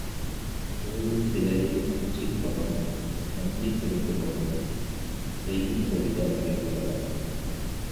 கோயில் சிலையைப் பூசிப்பவனும் சந்தி பெருக்குபவனும் செய்யும் தொழிலால் வேறுபடலாம்.